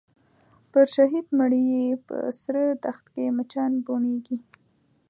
پر شهید مړي یې په سره دښت کي مچان بوڼیږي